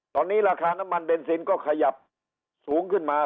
ตอนนี้ราคาน้ำมันเบนซินก็ขยับสูงขึ้นมา